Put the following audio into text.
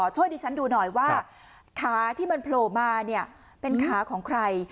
ช่วยดิฉันดูหน่อยว่าขาที่มันโผล่มาเนี่ยเป็นขาของใคร